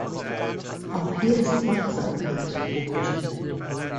Auch hier ist Wachsamkeit geboten.